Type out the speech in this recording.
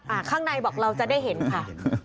ข้างในบอกเราจะได้เห็นค่ะ